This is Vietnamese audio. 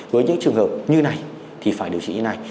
với những trường hợp như này thì phải điều trị như này